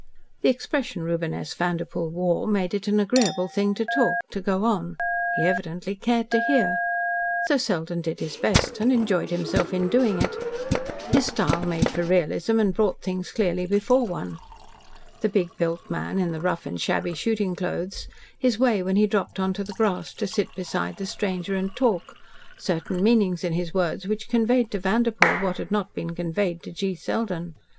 The expression Reuben S. Vanderpoel wore made it an agreeable thing to talk to go on. He evidently cared to hear. So Selden did his best, and enjoyed himself in doing it. His style made for realism and brought things clearly before one. The big built man in the rough and shabby shooting clothes, his way when he dropped into the grass to sit beside the stranger and talk, certain meanings in his words which conveyed to Vanderpoel what had not been conveyed to G. Selden.